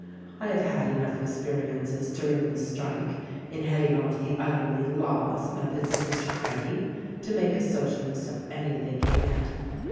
I have had enough experiences during this strike, in heading off the utterly lawless methods of Mr. Craggie, to make a Socialist of any thinking man.